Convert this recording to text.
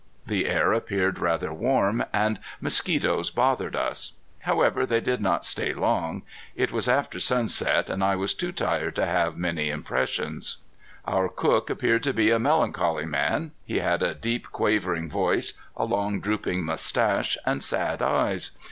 The air appeared rather warm, and mosquitoes bothered us. However, they did not stay long. It was after sunset and I was too tired to have many impressions. Our cook appeared to be a melancholy man. He had a deep quavering voice, a long drooping mustache and sad eyes.